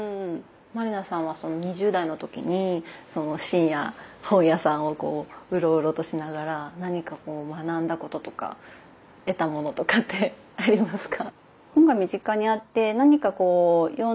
満里奈さんはその２０代の時に深夜本屋さんをうろうろとしながら何か学んだこととか得たものとかってありますか？